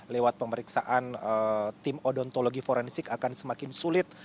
lewat pemeriksaan tim odontologi forensik akan semakin sulit